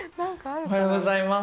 おはようございます。